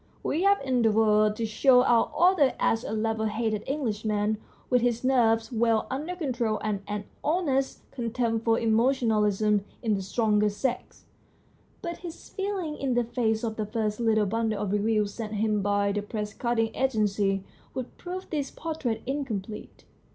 We have endeavoured to show our author as a level headed English man with his nerves well under control and an honest contempt for emotionalism in the stronger sex ; but his feelings in the face of the first little bundle of reviews sent him by 132 THE STORY OF A BOOK the press cutting agency would prove this portrait incomplete.